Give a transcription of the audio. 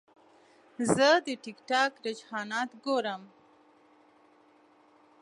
زه د ټک ټاک رجحانات ګورم.